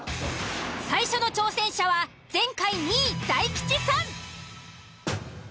最初の挑戦者は前回２位大吉さん。